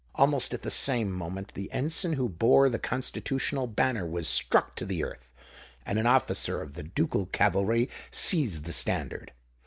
Almost at the same moment the ensign who bore the Constitutional banner was struck to the earth; and an officer of the ducal cavalry seized the standard.